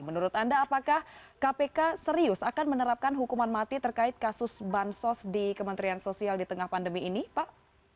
menurut anda apakah kpk serius akan menerapkan hukuman mati terkait kasus bansos di kementerian sosial di tengah pandemi ini pak